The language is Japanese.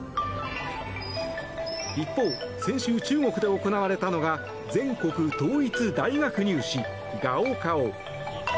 一方、先週、中国で行われたのが全国統一大学入試、ガオカオ。